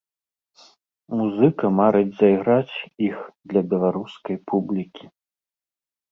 Музыка марыць зайграць іх для беларускай публікі.